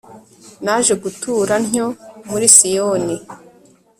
naje gutura ntyo muri siyoni